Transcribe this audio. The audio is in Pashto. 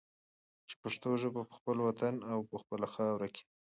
چې پښتو ژبه په خپل وطن کې او په خپله خاوره کې